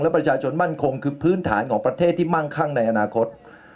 และประชาชนมั่นคงคือพื้นฐานของประเทศที่มั่งคั่งในอนาคต